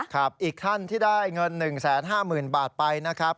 อีกท่านที่ได้เงิน๑๕๐๐๐บาทไปนะครับ